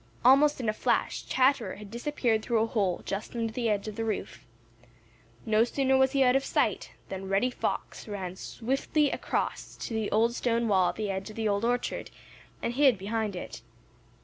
Almost in a flash Chatterer had disappeared through a hole just under the edge of the roof. No sooner was he out of sight, than Reddy Fox ran swiftly across to the old stone wall at the edge of the Old Orchard and hid behind it.